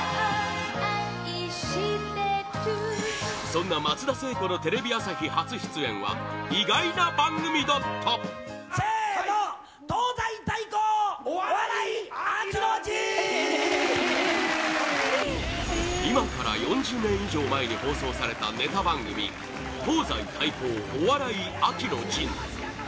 そんな松田聖子のテレビ朝日初出演は意外な番組だった今から４０年以上前に放送されたネタ番組「東西対抗お笑い秋の陣」